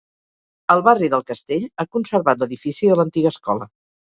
El barri del Castell ha conservat l'edifici de l'antiga escola.